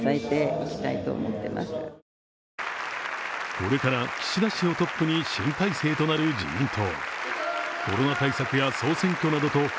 これから岸田氏をトップに新体制となる自民党。